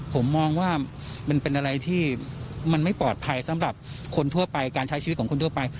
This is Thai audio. ผมมองว่ามันเป็นอะไรที่มันไม่ปลอดภัยสำหรับคนทั่วไปการใช้ชีวิตของคนทั่วไป